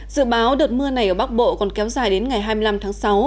dự báo đợt mưa này ở bắc bộ còn kéo dài đến ngày hai mươi năm tháng sáu